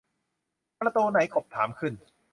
ประตูไหน กบถามขึ้น